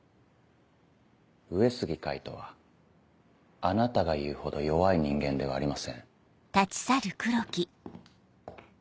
上杉海斗はあなたが言うほど弱い人間ではありません。